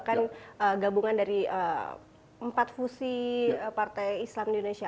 dan gabungan dari empat fusi partai islam di indonesia